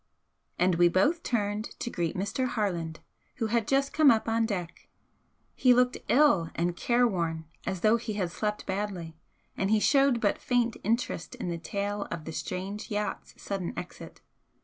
And we both turned to greet Mr. Harland, who had just come up on deck. He looked ill and careworn, as though he had slept badly, and he showed but faint interest in the tale of the strange yacht's sudden exit.